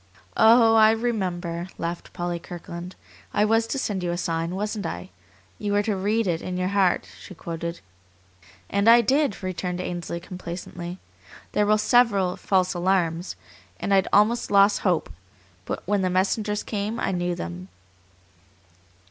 "Oh, I remember," laughed Polly Kirkland. "I was to send you a sign, wasn't I? You were to 'read it in your heart'," she quoted. "And I did," returned Ainsley complacently. "There were several false alarms, and I'd almost lost hope, but when the messengers came I knew them."